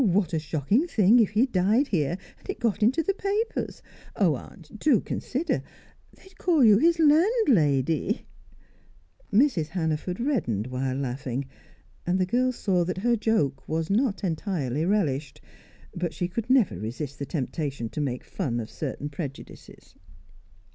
What a shocking thing if he died here, and it got into the papers! Aunt, do consider; they would call you his landlady!" Mrs. Hannaford reddened whilst laughing, and the girl saw that her joke was not entirely relished, but she could never resist the temptation to make fun of certain prejudices.